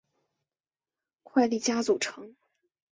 快利佳组成。